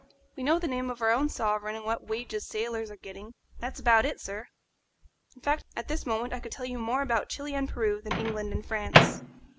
We know the name of our own sovereign and what wages sailors are getting; that's about it, sir. In fact, at this moment I could tell you more about Chili and Peru than England and France."